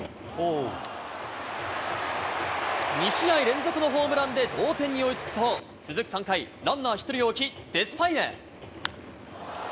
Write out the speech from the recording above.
２試合連続のホームランで同点に追いつくと、続く３回、ランナー１人を置き、デスパイネ。